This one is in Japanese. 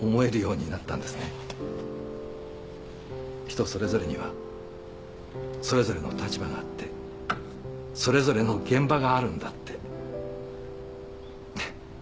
人それぞれにはそれぞれの立場があってそれぞれの現場があるんだって。